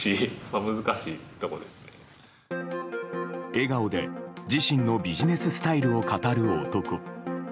笑顔で自身のビジネススタイルを語る男。